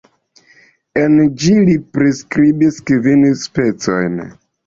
En ĝi li priskribis kvin "specojn".